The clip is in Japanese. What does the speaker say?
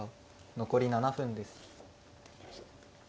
残り７分です。